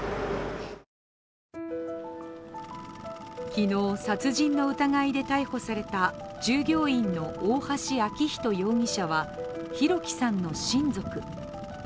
昨日、殺人の疑いで逮捕された従業員の大橋昭仁容疑者は弘輝さんの親族。